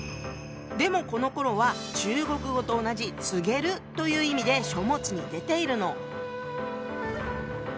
でもこのころは中国語と同じ「告げる」という意味で書物に出ているの。